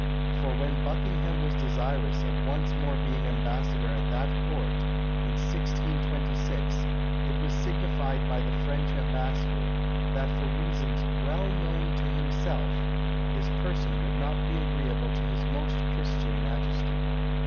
For when Buckingham was desirous of once more being ambassador at that court, in 1626, it was signified by the French ambassador, that for reasons well known to himself, his person would not be agreeable to his most Christian majesty.